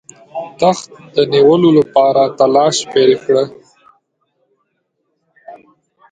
تخت د نیولو لپاره تلاښ پیل کړ.